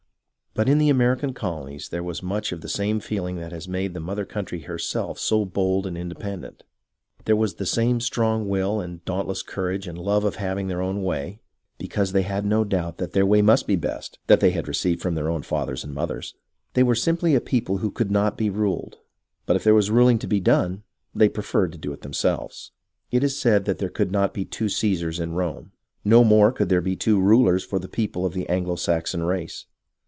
But in the American colonies there was much of the same feeling that has made the mother country herself so bold and independent. There was the same strong will and dauntless courage and love of having their own way, because they had no doubt that their way must be the best, that they had received from their own fathers and mothers. They were simply a people who could not be ruled, but if there was ruling to be done, they preferred to do it themselves. It is said that there could not be two Caesars in Rome. No more could there be two rulers for people of the Anglo Saxon race.